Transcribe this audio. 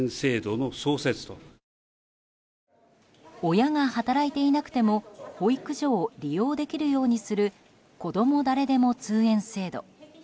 親が働いていなくても保育所を利用できるようにするこども誰でも通園制度。